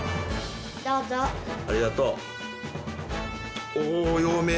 ありがとう。